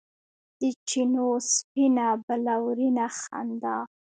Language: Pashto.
د چېنو سپینه بلورینه خندا